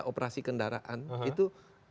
operasi kendaraan itu